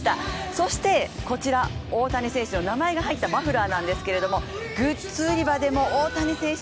そしてこちら、大谷選手の名前が入ったマフラーなんですけどグッズ売り場でも大谷選手